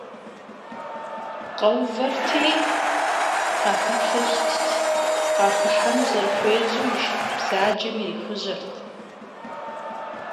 Къэувырти, къахэплъэу щытт, къахыхьэну зэрыхуежьэу и шыпхъу бзаджэм ирихужьэрт.